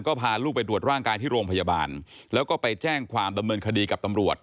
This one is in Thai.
ก็พาลูกไปตรวจร่างกายที่โรงพยาบาลแล้วก็ไปแจ้งความดำเนินคดีกับตำรวจ